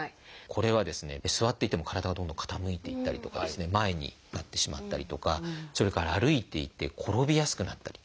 これはですね座っていても体がどんどん傾いていったりとか前になってしまったりとかそれから歩いていて転びやすくなったり。